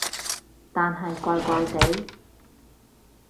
但係怪怪地